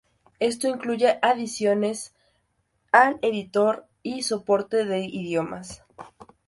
Esto incluye adiciones al editor y soporte de idiomas.